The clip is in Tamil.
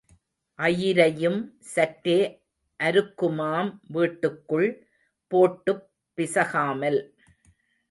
அயிரையும் சற்றே அருக்குமாம் வீட்டுக்குள் போட்டுப் பிசகாமல்.